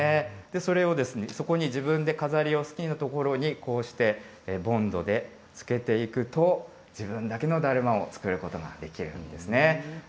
それを、そこに自分で自分の好きな所にこうしてボンドでつけていくと、自分だけのだるまを作ることができるんです。